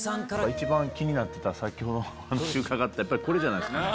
一番気になってた先ほどお話伺ってたこれじゃないですかね。